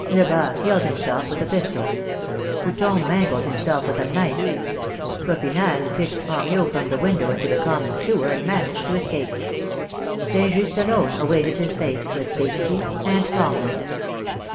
Lebas killed himself with a pistol. Couthon mangled himself with a knife. Cof finhal pitched Henriot from the window into the common sewer and managed to escape. St. Just alone awaited his fate with dignity and calmness.